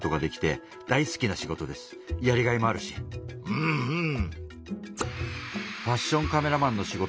うんうん。